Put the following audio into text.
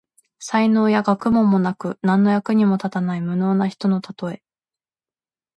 才能や学問もなく、何の役にも立たない無能な人のたとえ。